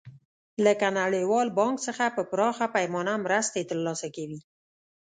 لکه نړیوال بانک څخه په پراخه پیمانه مرستې تر لاسه کوي.